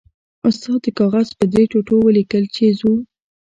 استاد د کاغذ په درې ټوټو ولیکل چې ځو.